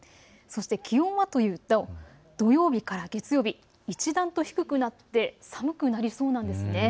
そして気温はというと土曜日から月曜日、一段と低くなって寒くなりそうなんです。